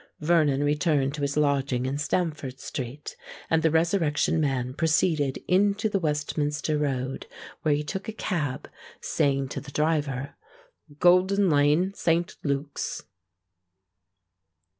Vernon returned to his lodging in Stamford Street; and the Resurrection Man proceeded into the Westminster Road, where he took a cab, saying to the driver, "Golden Lane, Saint Luke's."